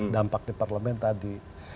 dampak di parlemen tadi